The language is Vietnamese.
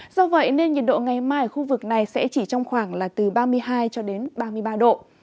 do vậy nên nhiệt độ ngày mai ở khu vực này sẽ chỉ trong khoảng là từ ba mươi hai cho đến ba mươi ba độ